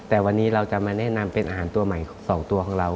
แต่วันนี้เราจะมาแนะนำเป็นอาหารตัวใหม่๒ตัวของเรา